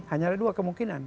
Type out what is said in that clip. hanyalah dua kemungkinan